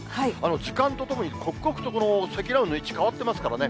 時間とともに刻々と積乱雲の位置、変わってますからね。